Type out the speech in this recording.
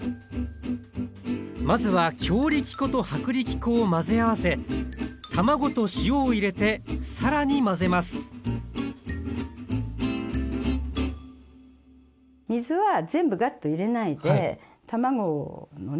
まずは強力粉と薄力粉を混ぜ合わせ卵と塩を入れて更に混ぜます水は全部ガッと入れないで卵のね